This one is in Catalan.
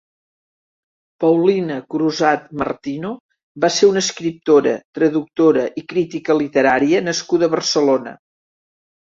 Paulina Crusat Martino va ser una escriptora, traductora i crítica literària nascuda a Barcelona.